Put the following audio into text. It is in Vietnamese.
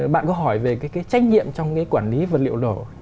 bạn có hỏi về cái trách nhiệm trong cái quản lý vật liệu nổ